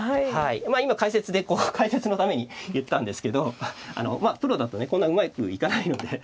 今解説でこう解説のために言ったんですけどプロだとねこんなうまくいかないので。